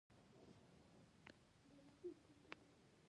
ژور، کاسه یي او څاڅکي اوبه کولو ګټې او زیانونه پرتله کړئ.